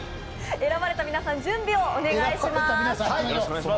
選ばれた皆さん、準備をお願いします。